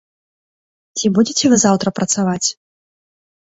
Ці будзеце вы заўтра працаваць?